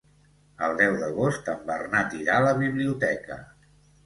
El deu d'agost en Bernat irà a la biblioteca.